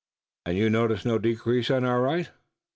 "And you notice no decrease on our right?"